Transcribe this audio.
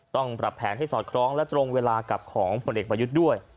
ต้องปรับแผนให้สอดคล้องและตรงเวลากับของผลเอกประยุทธ์ด้วย